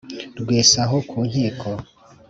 Rwesa aho ku nkiko